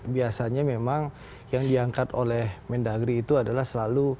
biasanya memang yang diangkat oleh mendagri itu adalah selalu